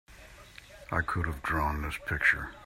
I could have drawn this picture!